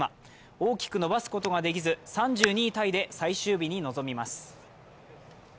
大きく伸ばすことができず、３２位タイで最終日に臨みます。